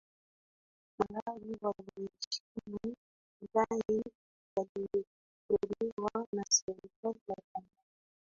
malawi waliheshimu madai yaliyotolewa na serikali ya tanzania